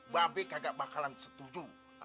ba be kagak bakalan setuju